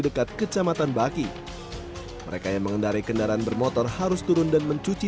dekat kecamatan baki mereka yang mengendarai kendaraan bermotor harus turun dan mencuci